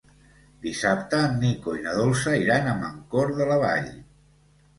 Dissabte en Nico i na Dolça iran a Mancor de la Vall.